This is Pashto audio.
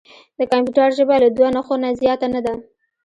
د کمپیوټر ژبه له دوه نښو نه زیاته نه ده.